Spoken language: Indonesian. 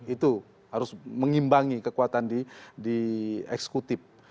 itu harus mengimbangi kekuatan di eksekutif